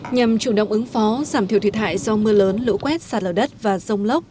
nhằm chủ động ứng phó giảm thiểu thiệt hại do mưa lớn lũ quét sạt lở đất và rông lốc